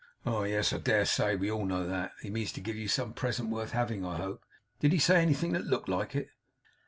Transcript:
'Oh, yes, I dare say! We all know that. He means to give you some present worth having, I hope. Did he say anything that looked like it?